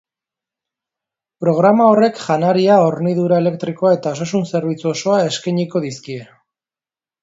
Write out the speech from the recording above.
Programa horrek janaria, hornidura elektrikoa eta osasun zerbitzu osoa eskainiko dizkie.